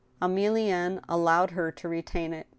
Emilienne allowed her to retain it.